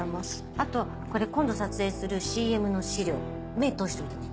あとこれ今度撮影するＣＭの資料目通しておいてね。